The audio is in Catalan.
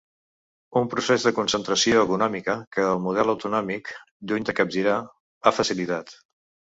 Un procés de concentració econòmica que el model autonòmic, lluny de capgirar, ha facilitat.